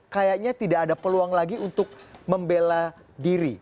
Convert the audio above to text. kayaknya tidak ada peluang lagi untuk membela diri